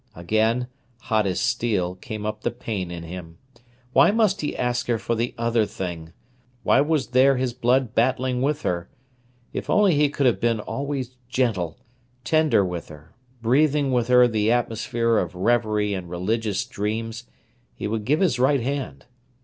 Again, hot as steel, came up the pain in him. Why must he ask her for the other thing? Why was there his blood battling with her? If only he could have been always gentle, tender with her, breathing with her the atmosphere of reverie and religious dreams, he would give his right hand.